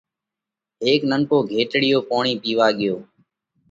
هيڪ ننڪو گھيٽڙِيو پوڻِي پيوا ڳيو۔